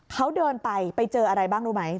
เขาเดินไปไปเจออะไรบ้างรู้ไหม